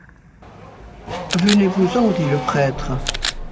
Venez-vous-en, dit le prêtre.